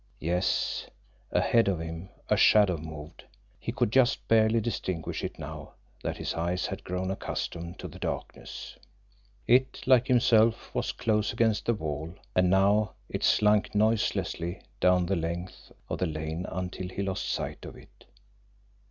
Yes; ahead of him a shadow moved he could just barely distinguish it now that his eyes had grown accustomed to the darkness. It, like himself, was close against the wall, and now it slunk noiselessly down the length of the lane until he lost sight of it.